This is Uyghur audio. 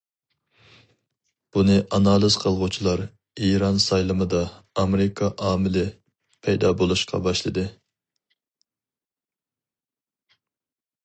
بۇنى ئانالىز قىلغۇچىلار: ئىران سايلىمىدا‹‹ ئامېرىكا ئامىلى›› پەيدا بولۇشقا باشلىدى.